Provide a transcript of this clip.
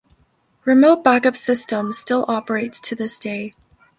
Remote Backup Systems still operates to this day.